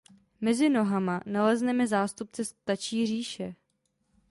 Mezi nohama nalezneme zástupce z ptačí říše.